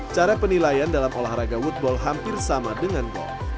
cara penilaian dalam olahraga wood bowl hampir sama dengan golf